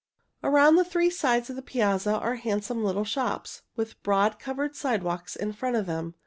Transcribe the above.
Around three sides of the piazza are handsome little shops, with a broad covered sidewalk in front of them.